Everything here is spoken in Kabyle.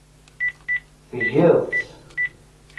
Tgiḍ-tt.